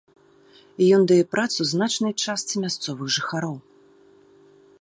Ён дае працу значнай частцы мясцовых жыхароў.